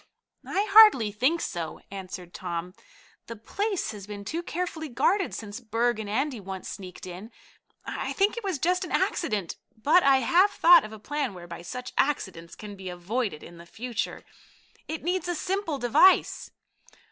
"I hardly think so," answered Tom. "The place has been too carefully guarded since Berg and Andy once sneaked in. I think it was just an accident, but I have thought of a plan whereby such accidents can be avoided in the future. It needs a simple device."